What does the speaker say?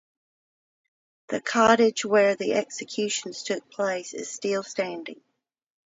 The cottage where the executions took place is still standing.